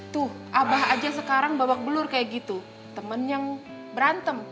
tuh abah aja sekarang babak belur kayak gitu temen yang berantem